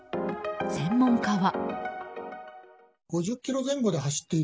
専門家は。